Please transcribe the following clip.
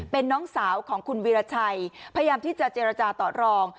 เป็นน้องสาวของคุณวีรชัยพยายามที่จะเจรจาต่อรอง